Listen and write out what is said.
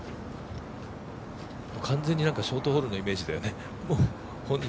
完全にショートホールのイメージだよね。